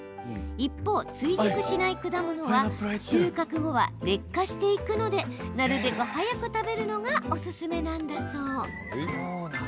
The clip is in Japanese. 一方、追熟しない果物は収穫後は劣化していくのでなるべく早く食べるのがおすすめなんだそう。